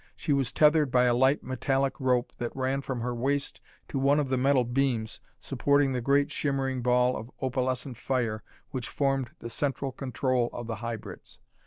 She was tethered by a light metallic rope that ran from her waist to one of the metal beams supporting the great shimmering ball of opalescent fire which formed the central control of the hybrids.